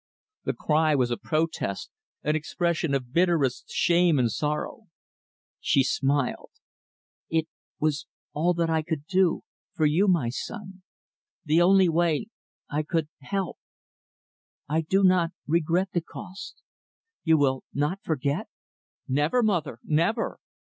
The cry was a protest an expression of bitterest shame and sorrow. She smiled. "It was all that I could do for you my son the only way I could help. I do not regret the cost. You will not forget?" "Never, mother, never."